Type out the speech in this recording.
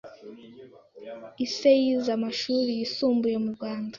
Ise yize amashuri yisumbuye mu Rwanda,